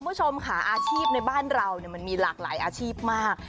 คุณผู้ชมค่ะอาชีพในบ้านเรามันมีหลากหลายอาชีพมาก